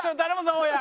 大家！